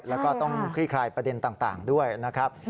แล้วก็ต้องคลี่คลายประเด็นต่างด้วยนะครับ